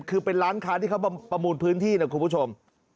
คือเป็นร้านค้าที่เขาประมูลพื้นที่นะคุณผู้ชม